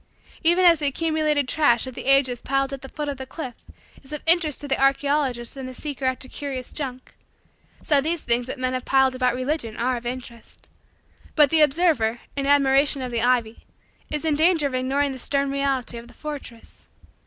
Even as the accumulated trash of the ages piled at the foot of the cliff is of interest to the archaeologist and the seeker after curious junk, so these things that men have piled about Religion are of interest. But the observer, in admiration of the ivy, is in danger of ignoring the stern reality of the fortress.